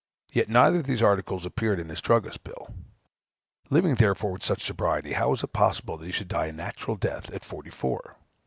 144,) yet neither of these articles appeared in his druggist's bill. Living, therefore, with such sobriety, how was it possible that he should die a natural death at forty four?